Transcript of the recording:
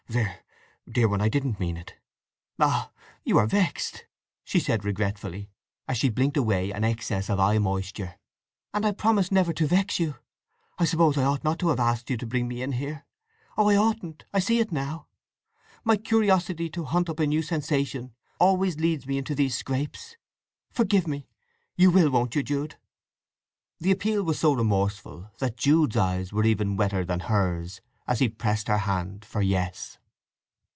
… There, dear one, I didn't mean it!" "Ah—you are vexed!" she said regretfully, as she blinked away an access of eye moisture. "And I promised never to vex you! … I suppose I ought not to have asked you to bring me in here. Oh, I oughtn't! I see it now. My curiosity to hunt up a new sensation always leads me into these scrapes. Forgive me! … You will, won't you, Jude?" The appeal was so remorseful that Jude's eyes were even wetter than hers as he pressed her hand for Yes.